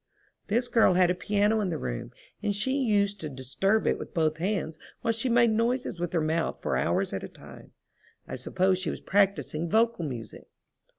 This girl had a piano in the room, and she used to disturb it with both hands while she made noises with her mouth for hours at a time. I suppose she was practising vocal music.